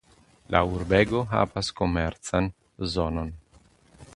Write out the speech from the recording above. La urbego havas komercan zonon.